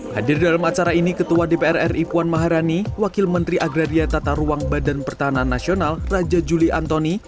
hadir dalam acara ini ketua dpr ri puan maharani wakil menteri agraria tata ruang badan pertahanan nasional raja juli antoni